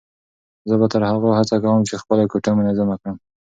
زه به تر هغو هڅه کوم چې خپله کوټه منظمه کړم.